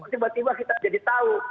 tiba tiba kita jadi tahu